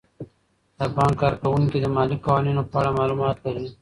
د بانک کارکوونکي د مالي قوانینو په اړه معلومات لري.